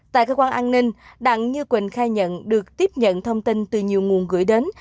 tại cơ quan an ninh đặng như quỳnh khai nhận được tiếp nhận thông tin từ nhiều nguồn gửi đến